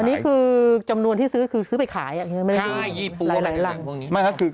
อันนี้คือจำนวนที่ซื้อคือซื้อไปขายไม่ได้ซื้อหลายรัง